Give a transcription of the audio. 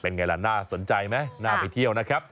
ไงล่ะน่าสนใจไหมน่าไปเที่ยวนะครับ